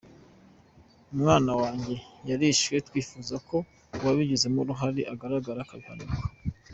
Umwana wanjye yarishwe twifuza ko uwabigizemo uruhare agaragara akabihanirwa.